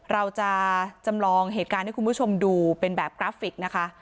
เราจะจำลองเหตุการณ์ให้คุณผู้ชมดูเป็นแบบกราฟิกนะคะ